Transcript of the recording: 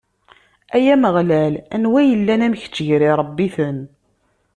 Ay Ameɣlal, anwa yellan am kečč gar iṛebbiten?